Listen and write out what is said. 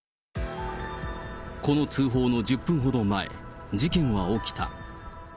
この通報の１０分ほど前、事件は起きた。